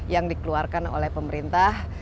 yang dikeluarkan oleh pemerintah